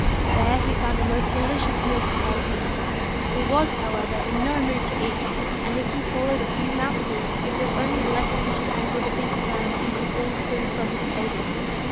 There he found a most delicious meal prepared for him. He was, however, in no mood to eat ; and if he swallowed a few mouthfuls, it was only lest he should anger the Beast by refusing all food from his table.